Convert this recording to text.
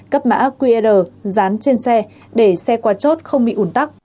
cấp mã qr dán trên xe để xe qua chốt không bị ủn tắc